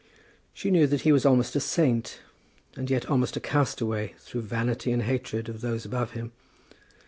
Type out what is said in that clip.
She knew that he was almost a saint, and yet almost a castaway through vanity and hatred of those above him.